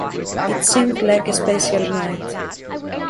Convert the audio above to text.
It seemed like a special night.